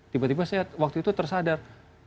tiba tiba saya waktu itu tersadar